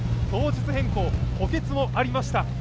当日変更、補欠もありました。